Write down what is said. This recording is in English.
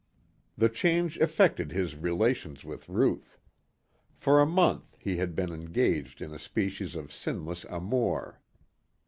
The change effected his relations with Ruth. For a month he had been engaged in a species of sinless amour.